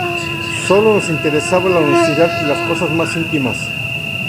Sólo nos interesaba la honestidad y las cosas más íntimas.